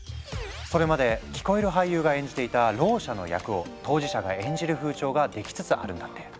それまで聞こえる俳優が演じていたろう者の役を当事者が演じる風潮ができつつあるんだって。